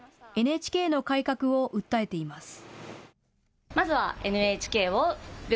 ＮＨＫの改革を訴えています。